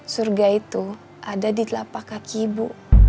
surga itu ada di telapak kaki ibu